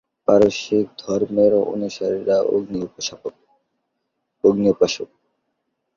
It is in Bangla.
পারসিক ধর্মের অনুসারীরা অগ্নি-উপাসক।